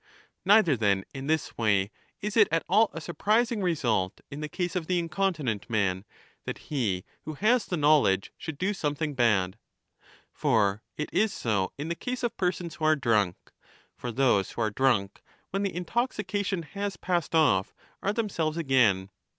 Neither, then, in this way is it at all a surprising result in the case of the incontinent man, that he who has the knowledge should do something bad. 1202^ For it is so in the case of persons who are drunk. For those who are drunk, when the intoxication has passed' off, are themselves again.